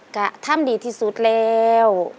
ก็ทำดีที่สุดแล้ว